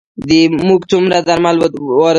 موږ څومره درمل واردوو؟